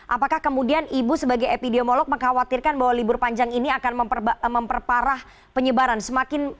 apakah kemudian ibu sebagai epidemiolog mengkhawatirkan bahwa libur panjang ini akan memperparah penyebaran